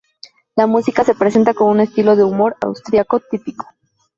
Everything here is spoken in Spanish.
La música se presenta con un estilo de humor austriaco típico.